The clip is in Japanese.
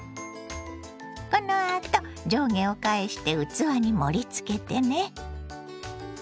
このあと上下を返して器に盛りつけてね。